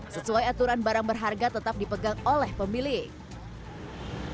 sesuai aturan barang berharga tetap dipegang oleh pemilik